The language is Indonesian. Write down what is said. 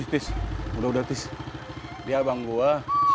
tis udah udah tis dia abang gua